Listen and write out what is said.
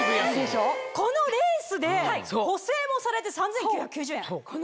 このレースで補整もされて３９９０円？